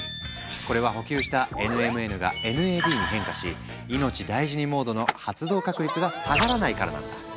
これは補給したＮＭＮがＮＡＤに変化し「いのちだいじにモード」の発動確率が下がらないからなんだ。